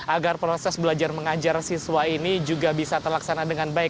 agar proses belajar mengajar siswa ini juga bisa terlaksana dengan baik